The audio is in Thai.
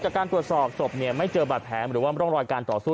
จากการตรวจสอบศพเนี่ยไม่เจอบาดแผลหรือว่าร่องรอยการต่อสู้